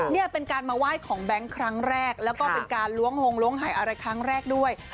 นี่เป็นการมาไหว้ของแบงค์ครั้งแรกแล้วก็เป็นการล้วงหงล้วงหายอะไรครั้งแรกด้วย